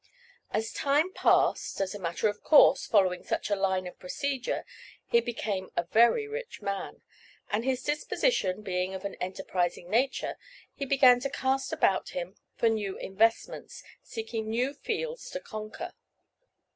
As time passed, as a matter of course, following such a line of procedure, he became a very rich man, and his disposition being of an enterprising nature, he began to cast about him for new investments, seeking new fields to conquer.